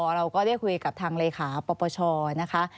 เราก็ได้คุยกับทางเลขาปปชนะคะ